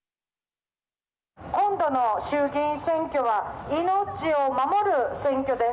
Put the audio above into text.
今度の衆議院選挙は命を守る選挙です。